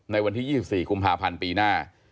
ในวันที่๒๔กุมภาพันธ์ปีหน้า